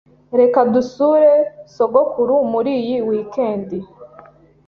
Reka dusure sogokuru muri iyi weekend.